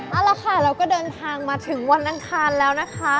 เอาละค่ะเราก็เดินทางมาถึงวันอังคารแล้วนะคะ